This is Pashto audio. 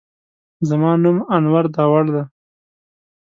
زما نوم انور داوړ دی.